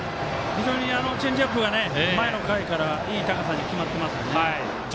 チェンジアップが前の回からいい高さに決まってますね。